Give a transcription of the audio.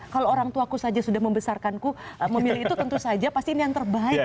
kalau orang tuaku saja sudah membesarkanku memilih itu tentu saja pasti ini yang terbaik